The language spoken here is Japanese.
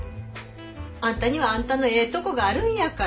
あんたにはあんたのええとこがあるんやから。